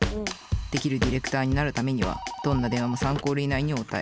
デキるディレクターになるためにはどんな電話も３コール以内に応対。